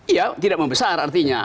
iya tidak membesar artinya